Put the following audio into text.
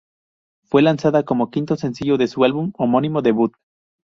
Fue lanzada como quinto sencillo de su álbum homónimo debut.